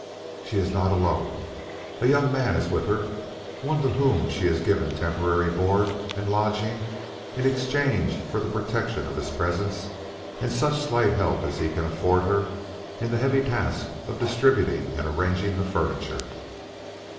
She is not alone. A young man is with her one to whom she is giving temporary board and lodging in exchange for the protection of his presence and such slight help as he can afford her in the heavy task of distributing and arranging the furniture.